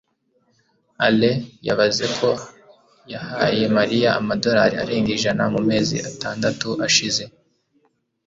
alain yabaze ko yahaye mariya amadolari arenga ijana mu mezi atandatu ashize